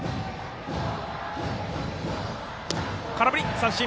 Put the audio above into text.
空振り三振。